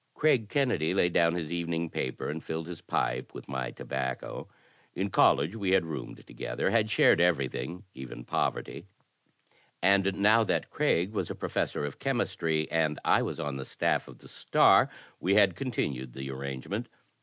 Craig Kennedy laid down his evening paper and filled his pipe with my tobacco. In college we had roomed together, had shared everything, even poverty, and now that Craig was a professor of chemistry and I was on the staff of the Star, we had continued the arrangement.